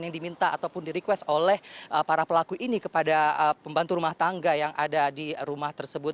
yang diminta ataupun di request oleh para pelaku ini kepada pembantu rumah tangga yang ada di rumah tersebut